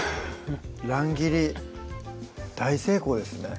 乱切り大成功ですね